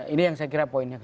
ini yang saya kira poinnya